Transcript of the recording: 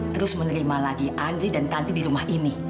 terus menerima lagi andri dan tanti di rumah ini